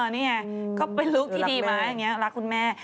นี่ไงก็เป็นลูกที่ดีไหมอย่างนี้รักคุณแม่